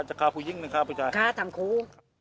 จัดค้าผู้ยิ้งหรือจัดค้าผู้ชายจัดค้าทำคู